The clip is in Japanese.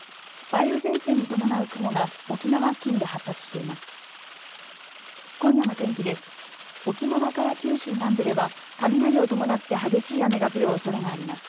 梅雨前線に伴う雲が沖縄付近で発達しています。